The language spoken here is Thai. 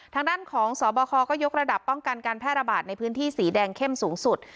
ทางด้านของสบคก็ยกระดับป้องกันการแพร่ระบาดในพื้นที่สีแดงเข้มสูงสุด